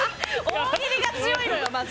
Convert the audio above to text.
大喜利が強いのよまず！